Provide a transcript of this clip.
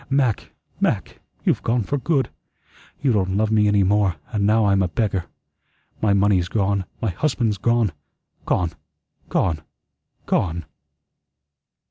Mac, Mac, you've gone for good. You don't love me any more, and now I'm a beggar. My money's gone, my husband's gone, gone, gone, gone!"